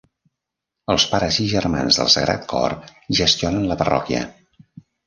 Els Pares i Germans del Sagrat Cor gestionen la parròquia.